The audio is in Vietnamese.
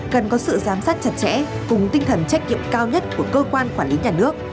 cần có sự giám sát chặt chẽ cùng tinh thần trách nhiệm cao nhất của cơ quan quản lý nhà nước